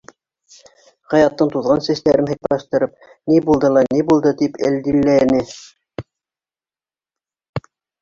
Хаяттың туҙған сәстәрен һыйпаштырып: — Ни булды ла ни булды? — тип әлдиләне.